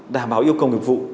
đảm bảo yêu cầu nghiệp vụ